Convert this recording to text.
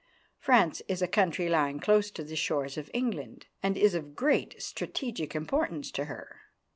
France is a country lying close to the shores of England, and is of great strategic importance to her.